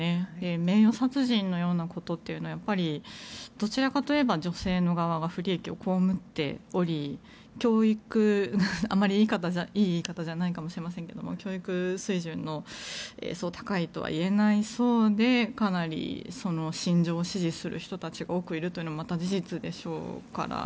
名誉殺人のようなことってやっぱり、どちらかといえば女性側が不利益を被っており教育あまりいい言い方じゃないかもしれないですけど教育水準がそう高いとは言えない層でかなり心情を支持する人たちが多くいるというのもまた、事実でしょうから。